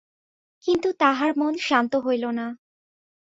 কিন্তু তাহার মন শান্ত হইল না।